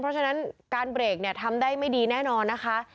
เพราะฉะนั้นการเบรกเนี่ยทำได้ไม่ดีแน่นอนนะคะ